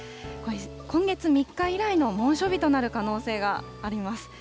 今月３日以来の猛暑日となる可能性があります。